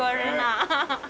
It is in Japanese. アハハハッ。